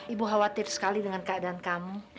ibu khawatir sekali dengan keadaan kamu